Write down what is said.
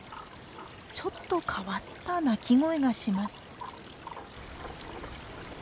ちょっと変わった鳴き声がします。